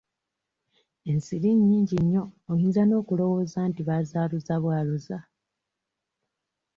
Ensiri nnyingi nnyo oyinza n'okulooza nti bazaaluza bwaluza.